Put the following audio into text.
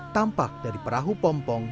tampak dari perahu pompong